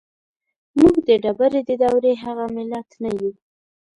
موږ د ډبرې د دورې هغه ملت نه يو.